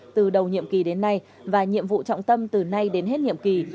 từ đầu nhiệm kỳ đến nay và nhiệm vụ trọng tâm từ nay đến hết nhiệm kỳ